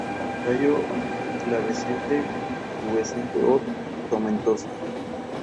Ambos países mantienen embajadas concurrentes para sus relaciones bilaterales.